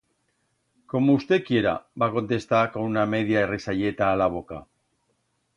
Como usté quiera, va contestar con una media risalleta a la boca.